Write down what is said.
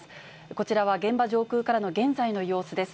こちらは現場上空からの現在の様子です。